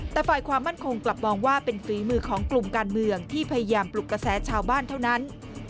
แต่ฝ่ายความมั่นคงกลับมองว่าเป็นฝีมือของกลุ่มการเมืองที่พยายามปลุกกระแสชาวบ้านเท่านั้น